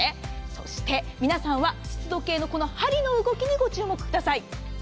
そして、皆さんは湿度計の針の動きにご注目ください。